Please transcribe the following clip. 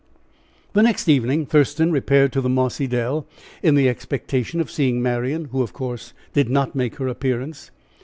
The next evening Thurston repaired to the mossy dell in the expectation of seeing Marian, who, of course, did not make her appearance.